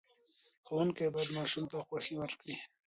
ښوونکي باید ماشوم ته خوښۍ ورکړي.